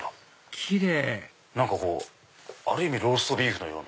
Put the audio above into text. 奇麗ある意味ローストビーフのよう。